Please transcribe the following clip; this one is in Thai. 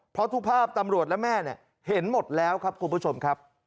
เพราะทุกภาพตำรวจและแม่เห็นหมดแล้วครับคุณผู้ชมครับ